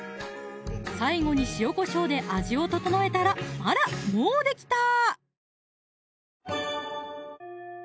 最後に塩・こしょうで味を調えたらあらもうできた！